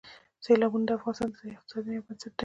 سیلابونه د افغانستان د ځایي اقتصادونو یو بنسټ دی.